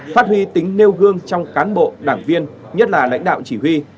phát huy tính nêu gương trong cán bộ đảng viên nhất là lãnh đạo chỉ huy